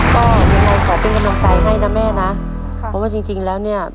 ก็ยังไงขอเป็นกำลังใจให้นะแม่นะค่ะเพราะว่าจริงจริงแล้วเนี่ย